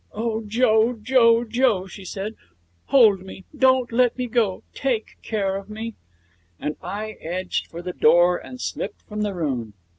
'Oh, Joe! Joe! Joe!' she said. 'Hold me. Don't let me go. Take care of me.' And I edged for the door and slipped from the room.